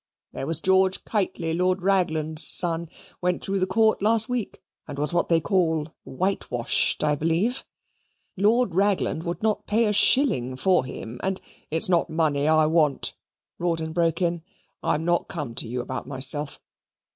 There was George Kitely, Lord Ragland's son, went through the Court last week, and was what they call whitewashed, I believe. Lord Ragland would not pay a shilling for him, and " "It's not money I want," Rawdon broke in. "I'm not come to you about myself.